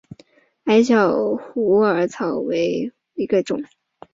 矮小虎耳草为虎耳草科虎耳草属下的一个种。